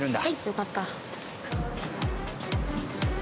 よかった。